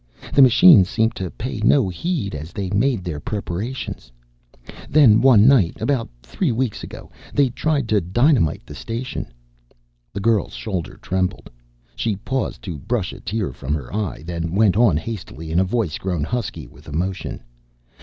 The machines seemed to pay no heed as they made their preparations. "Then one night, about three weeks ago, they tried to dynamite the station." The girl's shoulder trembled; she paused to brush a tear from her eye, then went on hastily, in a voice grown husky with emotion.